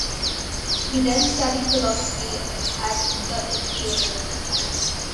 He then studied philosophy at the in Turin.